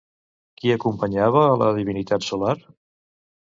Qui acompanyava a la divinitat solar?